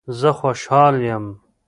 زه خوشحال یم